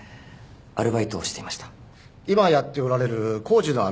今やっておられる工事のアルバイト。